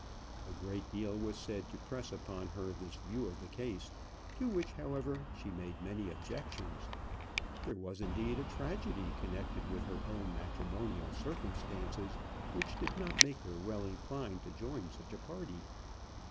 A great deal was said to press upon her this view of the case, to which, however, she made many objections. There was, indeed, a tragedy connected with her own matrimonial circumstances, which did not make her well inclined to join such a party.